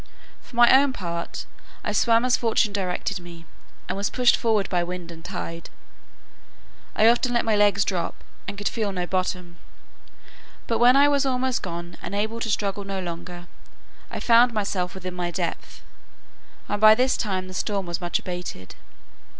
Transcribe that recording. For my own part, I swam as fortune directed me, and was pushed forward by wind and tide. I often let my legs drop, and could feel no bottom; but when I was almost gone, and able to struggle no longer, I found myself within my depth; and by this time the storm was much abated.